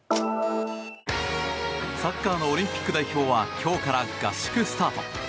サッカーのオリンピック代表は今日から合宿選挙スタート。